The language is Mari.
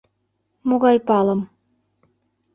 — Могай палым?